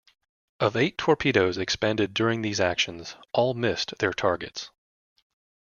Of eight torpedoes expended during these actions, all missed their targets.